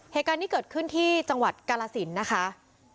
เหตุการณ์นี้เกิดขึ้นที่จังหวัดกาลสินนะคะ